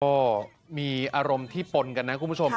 ก็มีอารมณ์ที่ปนกันนะคุณผู้ชม